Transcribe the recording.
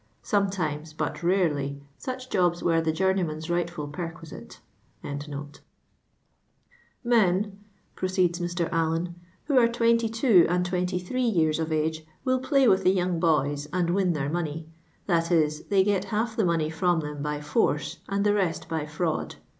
Sometimes, but rarely, «uch jobs were the journeyman'! rightful perquisite.] " Men,*' proceeds Mr. Allen, " who are 22 and 23 years of age will play with tbe young boys and win their money. That is, th^ get half the money from them by force, and tlie rest by fraud.